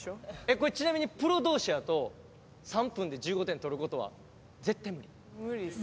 これちなみにプロ同士やと３分で１５点取る事は絶対無理？